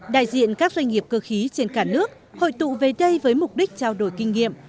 đại diện các doanh nghiệp cơ khí trên cả nước hội tụ về đây với mục đích trao đổi kinh nghiệm